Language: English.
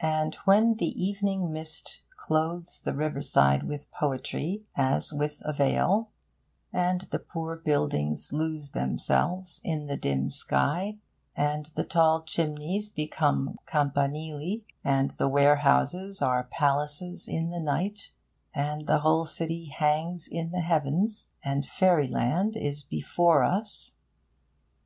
'And when the evening mist clothes the riverside with poetry, as with a veil, and the poor buildings lose themselves in the dim sky, and the tall chimneys become campanili, and the warehouses are palaces in the night, and the whole city hangs in the heavens, and fairyland is before us...'